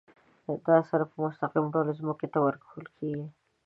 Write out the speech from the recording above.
دا سره په مستقیم ډول ځمکې ته ورکول کیږي.